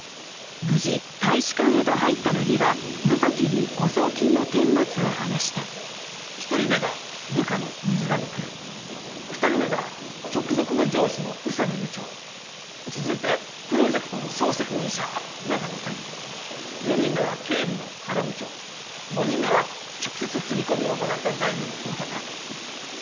無事大使館へと入った乃木は野崎に誤送金の顛末を話した一人目が部下の水上くん二人目が直属の上司の宇佐美部長続いてプロジェクトの総責任者長野専務４人目は経理の原部長５人目は直接振り込みを行った財務の太田さん